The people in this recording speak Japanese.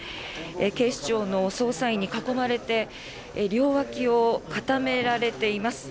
警視庁の捜査員に囲まれて両脇を固められています。